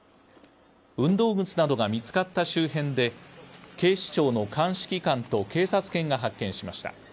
運動靴などが見つかった周辺で、警視庁の鑑識官と警察犬が発見しました。